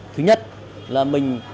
thứ nhất là mình